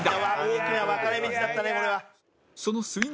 大きな分かれ道だったねこれは。